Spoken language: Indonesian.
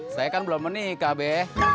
saya kan belum menikah